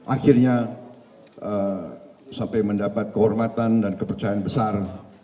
akhirnya sampai mendapat kehormatan dan kepercayaan besar